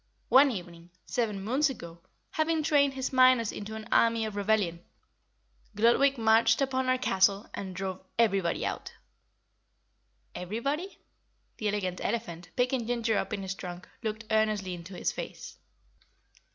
One evening, seven moons ago, having trained his miners into an army of rebellion, Gludwig marched upon our castle and drove everybody out." "Everybody?" The Elegant Elephant, picking Ginger up in his trunk, looked earnestly into his face.